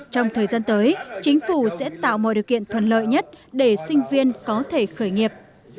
trong thời gian tới chính phủ sẽ tạo mọi điều kiện thuận lợi nhất để sinh viên có thể khởi nghiệp